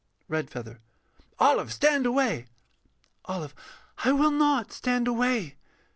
_] REDFEATHER. Olive, stand away! OLIVE. I will not stand away!